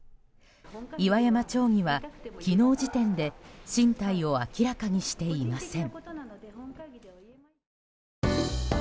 岩山町議は昨日時点で進退を明らかにしていません。